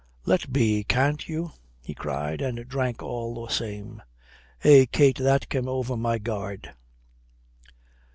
"Let be, can't you?" he cried, and drank all the same. "Eh, Kate that came over my guard....